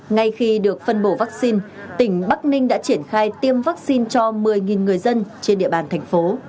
ngay khi được phân bổ vaccine tỉnh bắc ninh đã triển khai tiêm vaccine cho một mươi người dân trên địa bàn thành phố